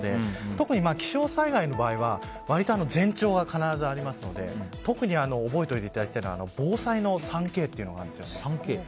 特に気象災害の場合は割と前兆が必ずありますので特に覚えておいていただきたいのが防災の３Ｋというのがあるんです。